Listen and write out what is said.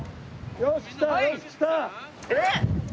えっ？